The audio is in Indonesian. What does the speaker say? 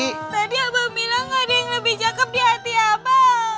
tadi abang bilang gak ada yang lebih cakep di hati abang